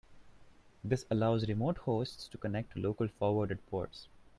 This allows remote hosts to connect to local forwarded ports.